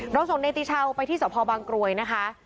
เราส่งในติชาวไปที่สพบางกรวยนะคะ